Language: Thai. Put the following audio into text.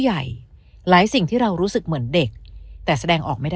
ใหญ่หลายสิ่งที่เรารู้สึกเหมือนเด็กแต่แสดงออกไม่ได้